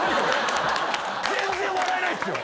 全然笑えないっすよ。